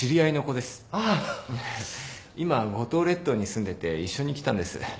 今五島列島に住んでて一緒に来たんです。